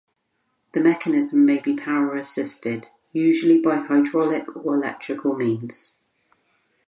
The mechanism may be power-assisted, usually by hydraulic or electrical means.